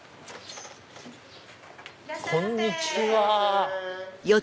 こんにちは。